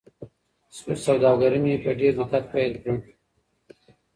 سوداګري مې په ډېر دقت پیل کړه.